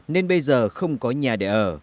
nên bây giờ không có nhà để ở